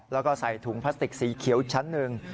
แล้วก็ใส่ถุงพลาสติกสีเขียวอีกชั้นหนึ่ง